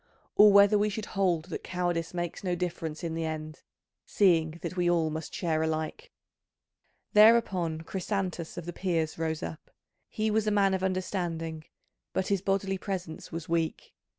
Or whether we should hold that cowardice makes no difference in the end, seeing that we all must share alike?" Thereupon Chrysantas of the Peers rose up. He was a man of understanding, but his bodily presence was weak.